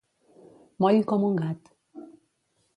Moll com un gat.